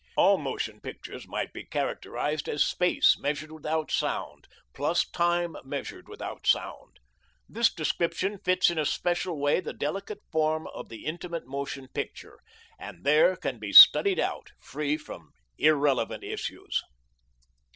All motion pictures might be characterized as space measured without sound, plus time measured without sound. This description fits in a special way the delicate form of the Intimate Motion Picture, and there can be studied out, free from irrelevant issues.